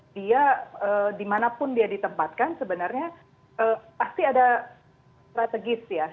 dia dimanapun dia ditempatkan sebenarnya pasti ada strategis ya